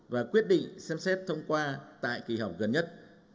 và quyết định xem xét thông qua tại kỳ họp gần nhất